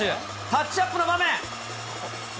タッチアップの場面。